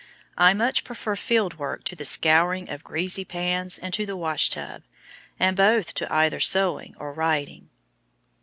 I much prefer field work to the scouring of greasy pans and to the wash tub, and both to either sewing or writing.